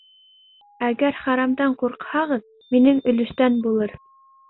- Әгәр харамдан ҡурҡһағыҙ, минең өлөштән булыр.